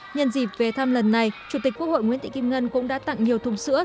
nhân dịp về thăm lần này chủ tịch quốc hội nguyễn thị kim ngân cũng đã tặng nhiều thùng sữa